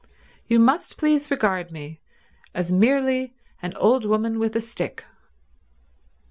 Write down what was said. "You must please regard me as merely an old woman with a stick."